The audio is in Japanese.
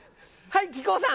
はい。